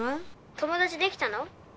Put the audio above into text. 友達できたの？